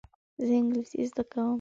زه انګلیسي زده کوم.